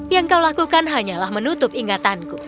yang kau lakukan hanyalah menutup ingatanku